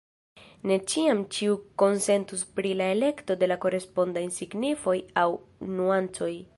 Ne ĉiam ĉiu konsentus pri la elekto de la korespondaj signifoj aŭ nuancoj.